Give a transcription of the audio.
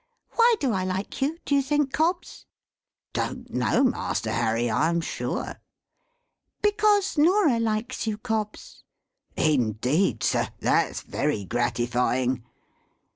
Why do I like you, do you think, Cobbs?" "Don't know, Master Harry, I am sure." "Because Norah likes you, Cobbs." "Indeed, sir? That's very gratifying."